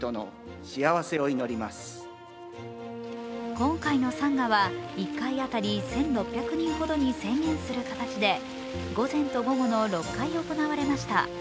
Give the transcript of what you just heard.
今回の参賀は１回辺り１６００人ほどに制限する形で午前と午後の６回行われました。